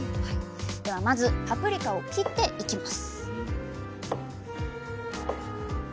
ではまずパプリカを切っていきます